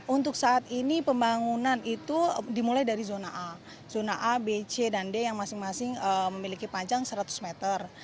untuk saat ini pembangunan itu dimulai dari zona a zona a b c dan d yang masing masing memiliki panjang seratus meter